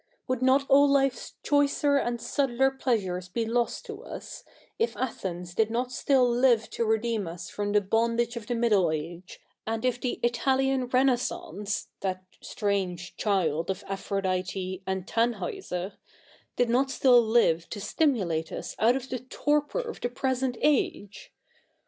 Would not all life's choicer and subtler pleasures be lost to us, if Athens did not still live to redeem us from the bondage of the middle age, and if the Italian Renaissance —that strange child of Aphrodite and Tannhauser— did not still live to stimu late us out of the torpor of the present age?